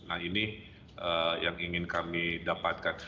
nah ini yang ingin kami dapatkan